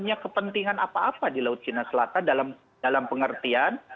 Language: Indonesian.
punya kepentingan apa apa di laut cina selatan dalam pengertian